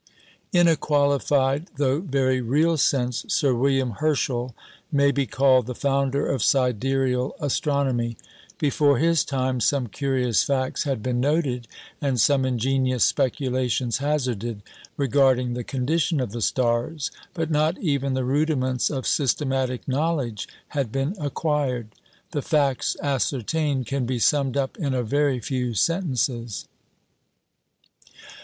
In a qualified though very real sense, Sir William Herschel may be called the Founder of Sidereal Astronomy. Before his time some curious facts had been noted, and some ingenious speculations hazarded, regarding the condition of the stars, but not even the rudiments of systematic knowledge had been acquired. The facts ascertained can be summed up in a very few sentences.